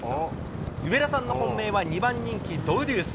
上田さんの本命は、２番人気、ドウデュース。